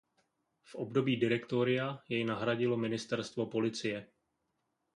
V období Direktoria jej nahradilo ministerstvo policie.